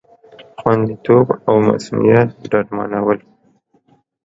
خوندیتوب او مصئونیت ډاډمنول